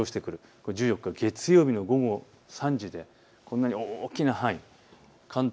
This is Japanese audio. これは１４日月曜日の午後３時でこんなに大きな範囲、関東